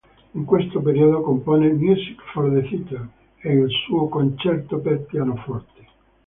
In questo periodo compone "Music for the Theater" e il suo "Concerto per Pianoforte".